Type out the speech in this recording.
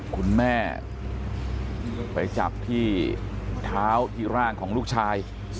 คุณแม่ไปจับที่เท้าที่ร่างของลูกชาย